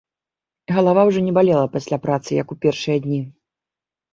Галава ўжо не балела пасля працы, як у першыя дні.